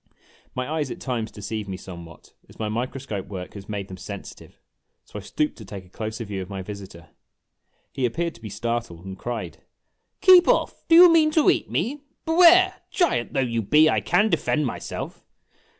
My eyes at times deceive me somewhat, as my microscope work has made them sensitive ; so I stooped to take a closer view of my visitor. He appeared to be startled, and cried : 5* 70 IMAGINOTIONS " Keep off! Do you mean to eat me? Beware ! Giant though you be, I can defend myself